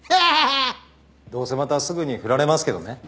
どうせまたすぐにフラれますけどね。